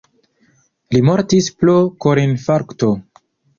Li mortis pro korinfarkto.